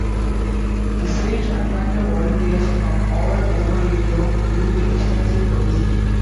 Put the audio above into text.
This siege attracted volunteers from all over Europe due to extensive publicity.